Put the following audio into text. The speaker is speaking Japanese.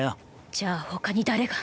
じゃあ他に誰が？